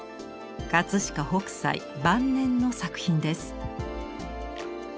飾北斎晩年の作品です。